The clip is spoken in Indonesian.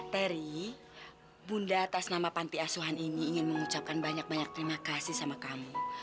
terry bunda atas nama panti asuhan ini ingin mengucapkan banyak banyak terima kasih sama kamu